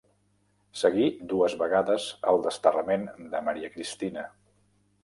Seguí dues vegades al desterrament de Maria Cristina.